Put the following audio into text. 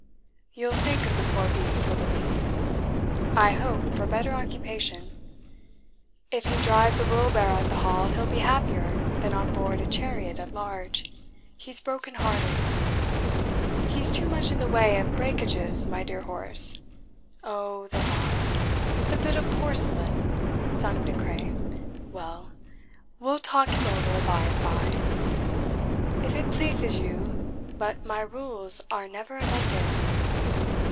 "You'll think of the poor beast, Willoughby." "I hope for better occupation." "If he drives a wheelbarrow at the Hall he'll be happier than on board a chariot at large. He's broken hearted." "He's too much in the way of breakages, my dear Horace." "Oh, the vase! the bit of porcelain!" sung De Craye. "Well, we'll talk him over by and by." "If it pleases you; but my rules are never amended."